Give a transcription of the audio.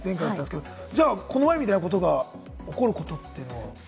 この間みたいなことが起こるというのは？